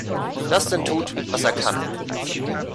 Dustin tut, was er kann.